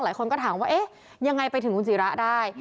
หลายคนก็ถามว่าเอ๊ะยังไงไปถึงคุณศิระได้